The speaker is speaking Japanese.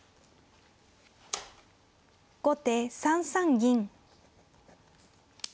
後手３三銀。